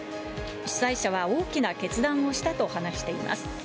主催者は大きな決断をしたと話しています。